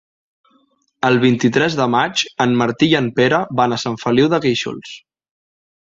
El vint-i-tres de maig en Martí i en Pere van a Sant Feliu de Guíxols.